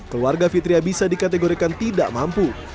keluarga fitria bisa dikategorikan tidak mampu